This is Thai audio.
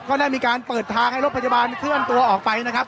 ก็ได้มีการเปิดทางให้รถพยาบาลเคลื่อนตัวออกไปนะครับ